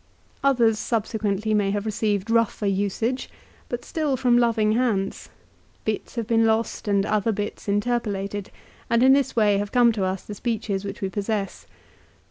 Others subsequently may have received rougher usage, but still from loving hands. Bits have been lost and other bits interpolated, and in this way have come to us the speeches which we possess.